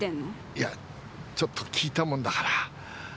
いやちょっと聞いたもんだから。